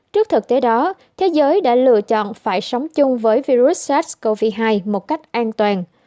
trước thực tế đó thế giới đã lựa chọn phải sống chung với virus sars cov hai một cách an toàn